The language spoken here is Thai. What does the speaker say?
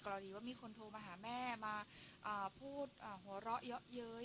กรณีว่ามีคนโทรมาหาแม่มาพูดหัวเราะเยอะเย้ย